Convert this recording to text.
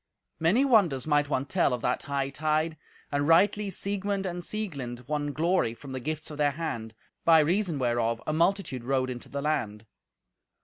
Many wonders might one tell of that hightide, and rightly Siegmund and Sieglind won glory from the gifts of their hand, by reason whereof a multitude rode into the land.